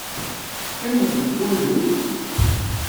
Teqqimeḍ deg wadur.